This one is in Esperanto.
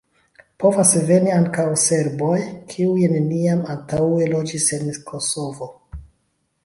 Povas veni ankaŭ serboj, kiuj neniam antaŭe loĝis en Kosovo.